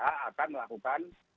akan melakukan tindakan yang lain